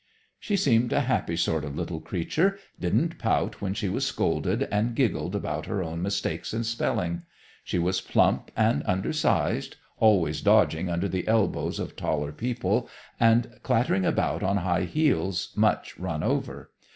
She seemed a happy sort of little creature, didn't pout when she was scolded, and giggled about her own mistakes in spelling. She was plump and undersized, always dodging under the elbows of taller people and clattering about on high heels, much run over.